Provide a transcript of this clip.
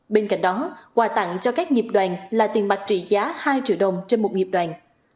bên cạnh đó quà tặng cho các nghiệp đoàn là tiền mặt trị giá hai triệu đồng trên một nghiệp đoàn